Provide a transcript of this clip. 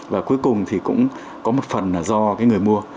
và cuối cùng thì cũng có một phần là do cái người mua